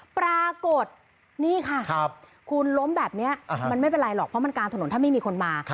ปรากฏนี่ค่ะคุณล้มแบบนี้มันไม่เป็นไรหรอกเพราะมันกลางถนนถ้าไม่มีคนมา